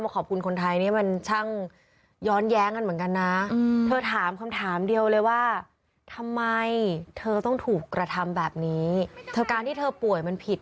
คนเดี๋ยวเขาคุยลดไม่หมด